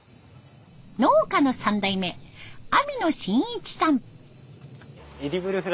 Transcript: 農家の３代目網野信一さん。